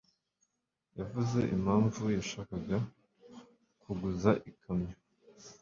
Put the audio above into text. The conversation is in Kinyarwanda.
yavuze impamvu yashakaga kuguza ikamyo?